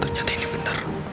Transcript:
ternyata ini benar